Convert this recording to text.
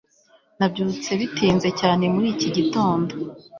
nabyutse bitinze cyane muri iki gitondo